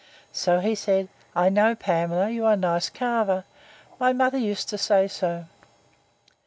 So he said, I know, Pamela, you are a nice carver: my mother used to say so.